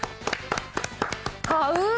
買う！